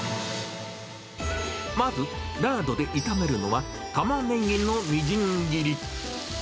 まずラードで炒めるのは、タマネギのみじん切り。